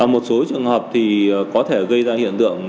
một số trường hợp thì có thể gây ra hiện tượng